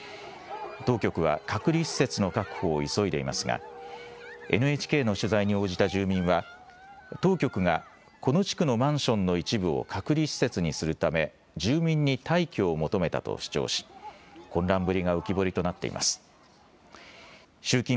当局は隔離施設の確保を急いでいますがＮＨＫの取材に応じた住民は当局がこの地区のマンションの一部を隔離施設にするため住民に退去を求めたと主張し混乱ぶりが浮き彫りとなっています。